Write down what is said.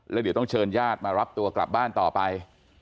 แล้วเดี๋ยวต้องเชิญญาติมารับตัวกลับบ้านต่อไป